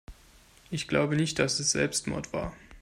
Ich glaube nicht, dass es Selbstmord war.